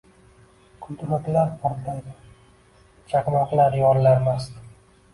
Gulduraklar portlaydi, chaqmoqlar yorilar mast